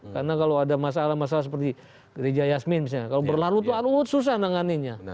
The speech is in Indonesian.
karena kalau ada masalah masalah seperti gereja yasmin misalnya kalau berlalu lalu susah menangani nya